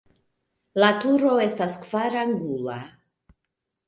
La turo estas kvarangula.